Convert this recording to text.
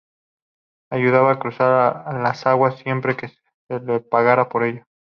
Ayudaba a cruzar las aguas siempre que se le pagara por ello.